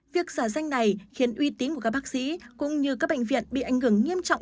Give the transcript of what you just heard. việc giả danh này khiến uy tín của các bác sĩ cũng như các bệnh viện bị ảnh hưởng nghiêm trọng